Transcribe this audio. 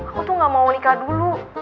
aku tuh gak mau nikah dulu